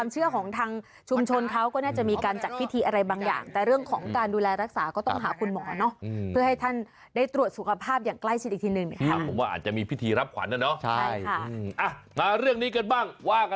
สุดท้ายไม่รู้อีกท่าไหน